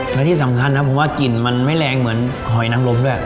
แล้วที่สำคัญนะผมว่ากลิ่นมันไม่แรงเหมือนหอยนังลมด้วย